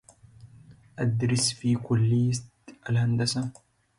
They are now believed by meteorologists to be random events.